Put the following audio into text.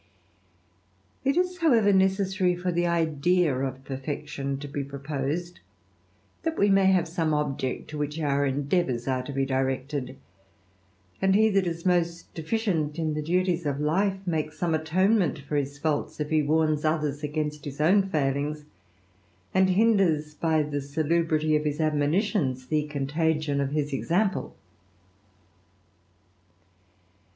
It is, however, necessary for the idea of perfection to be roposed, that we may have some object to which our ndeavours are to be directed ; and he that is most deficient 1 the duties of life, makes some atonement for his faults, if le warns others against his own failings, and hinders, by lie salubrity of his admonitions, the contagion of his sample.